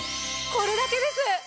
これだけです！